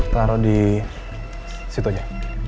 taruh di situ aja